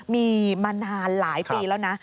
มีมานานหลายปีแล้วนะ